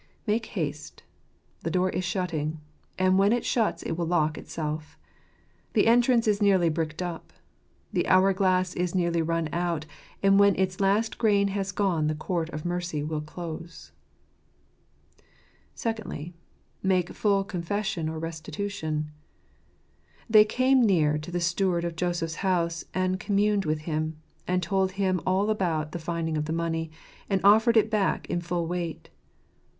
Make haste ! The door is shutting ; and when it shuts it will lock itself. The entrance is nearly bricked up. The hour glass is nearly run out, and when its last grain has gone the court of mercy will close. Secondly, Make full confession or restitution. "They came near to the steward of Joseph's house and communed with him," and told him all about the finding of the money, and offered it back in full weight.